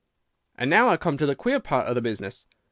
"And now I come to the queer part of the business.